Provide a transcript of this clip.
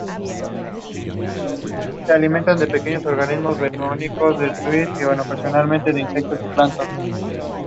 In order to avoid a war of succession, Renaud of Burgundy made some concessions.